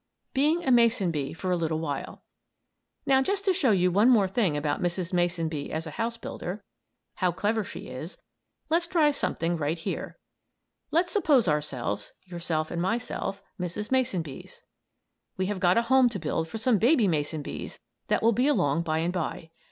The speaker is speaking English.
BEING A MASON BEE FOR A LITTLE WHILE Now, just to show you one more thing about Mrs. Mason Bee as a house builder how clever she is let's try something right here. Let's suppose ourselves yourself and myself Mrs. Mason Bees. We have got a home to build for some baby mason bees that will be along by and by.